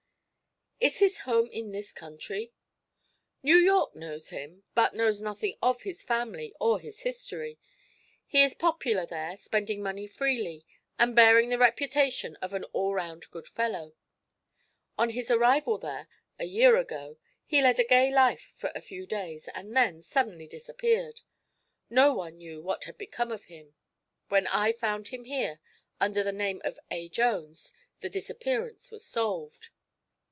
"Is his home in this country?" "New York knows him, but knows nothing of his family or his history. He is popular there, spending money freely and bearing the reputation of an all around good fellow. On his arrival there, a year ago, he led a gay life for a few days and then suddenly disappeared. No one knew what had become of him. When I found him here, under the name of A. Jones, the disappearance was solved."